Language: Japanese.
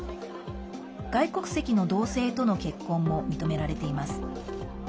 外国籍の同性との結婚も認められています。